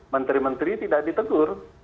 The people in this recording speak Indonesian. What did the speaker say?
menteri menteri tidak ditegur